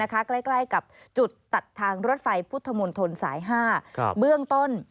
ใกล้กับจุดตัดทางรถไฟพุทธมนตรสาย๕เบื้องต้น